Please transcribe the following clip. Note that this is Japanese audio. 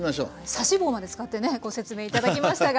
指し棒まで使ってねご説明いただきましたが。